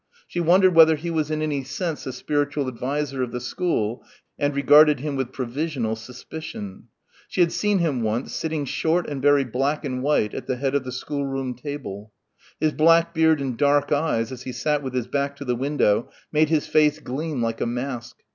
She wondered whether he was in any sense the spiritual adviser of the school and regarded him with provisional suspicion. She had seen him once, sitting short and very black and white at the head of the schoolroom table. His black beard and dark eyes as he sat with his back to the window made his face gleam like a mask.